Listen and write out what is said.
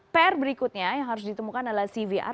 pr berikutnya yang harus ditemukan adalah cvr